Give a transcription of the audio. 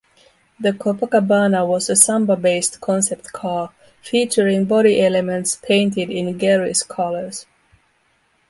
The Copacabana was a Samba-based concept car, featuring body elements painted in garish colors.